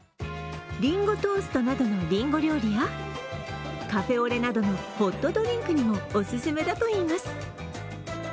りんごトーストなどのりんご料理やカフェオレなどのホットドリンクにもおすすめだといいます。